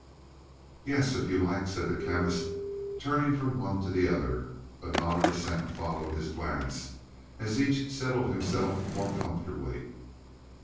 "Yes, if you like," said the Chemist, turning from one to the other. A nod of assent followed his glance, as each settled himself more comfortably.